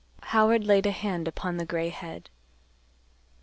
Howard laid a hand upon the gray head.